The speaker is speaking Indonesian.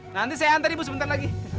nanti saya antar ibu sebentar lagi